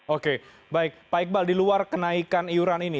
oke baik pak iqbal di luar kenaikan iuran ini